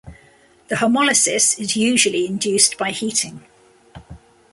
The homolysis is usually induced by heating.